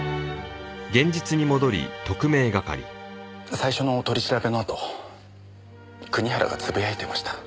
最初の取り調べのあと国原がつぶやいてました。